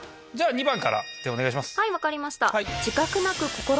２番からお願いします。